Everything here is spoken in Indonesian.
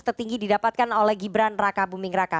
tertinggi didapatkan oleh gibran raka buming raka